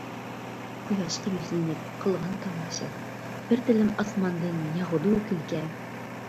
قۇياشقا يۈزلىنىپ قىلغىن تاماشا، بىر تىلىم ئاسماندىن ياغىدۇ كۈلكە.